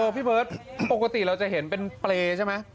พี่เบิร์ตปกติเราจะเห็นเป็นเปรย์ใช่ไหม